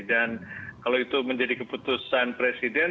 dan kalau itu menjadi keputusan presiden